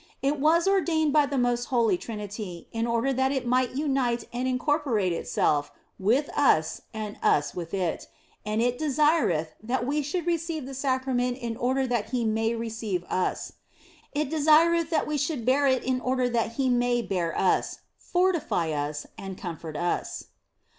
It was ordained by the most holy Trinity in order that It might unite and incorporate Itself with us and us with It, and It desireth that we should receive the Sacrament in order that He may receive us ; It desireth that we should bear it in order that He may bear us, fortify us, and com fort us.